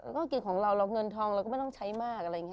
ก็คือของเราเราเงินทองเราก็ไม่ต้องใช้มากอะไรอย่างนี้